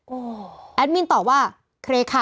โอ้โหแอดมินตอบว่าเครค่ะ